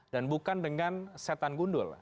dan bukan dengan setan gundul